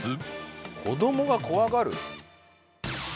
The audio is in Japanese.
子どもが怖がる？